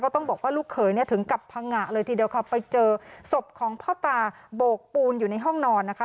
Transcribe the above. ต้องบอกว่าลูกเขยเนี่ยถึงกับพังงะเลยทีเดียวค่ะไปเจอศพของพ่อตาโบกปูนอยู่ในห้องนอนนะคะ